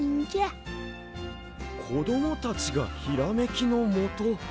こどもたちがひらめきのもと。